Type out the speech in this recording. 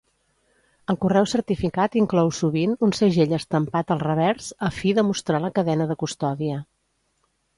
El correu certificat inclou sovint un segell estampat al revers a fi de mostrar la cadena de custòdia.